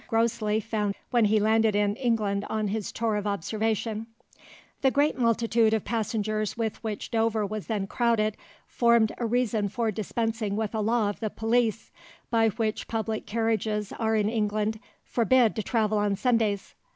Grosley found when he landed in England on his tour of observation— "The great multitude of passengers with which Dover was then crowded, formed a reason for dispensing with a law of the police, by which public carriages are in England, forbid to travel on Sundays.